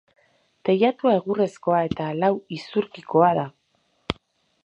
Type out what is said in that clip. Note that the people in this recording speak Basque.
Teilatua egurrezkoa eta lau isurkikoa da.